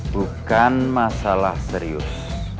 bukan masalah serius